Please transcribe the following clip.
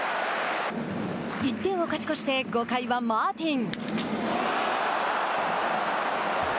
１点を勝ち越して５回はマーティン。